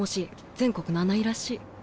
全国７位らしい。